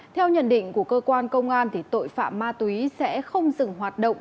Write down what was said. theo nhận định của cơ quan công an tội phạm ma túy sẽ không dừng hoạt động